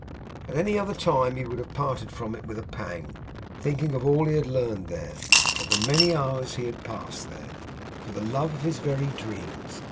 At any other time he would have parted from it with a pang, thinking of all he had learned there, of the many hours he had passed there; for the love of his very dreams.